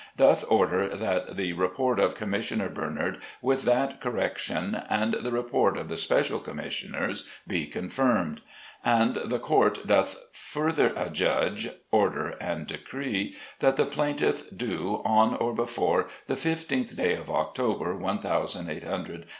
doth order that the report of Commissioner Bernard, with that correction, and the report of the special Commissioners, be con firmed : And the court doth further adjudge, order and decree, that the Plaintiff do, on or before the fifteenth day of October, one thousand eight hundred FREEDOM.